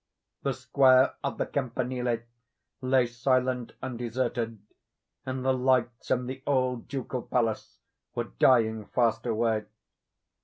The square of the Campanile lay silent and deserted, and the lights in the old Ducal Palace were dying fast away.